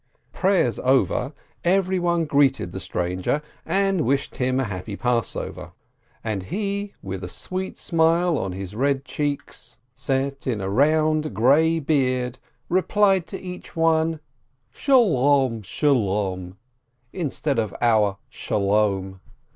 Prayers over, every one greeted the stranger, and wished him a happy Passover, and he, with a sweet smile on his red cheeks 154 SHOLOM ALECHEM set in a round grey beard, replied to each one, "Shalom ! Shalom!" instead of our Sholom.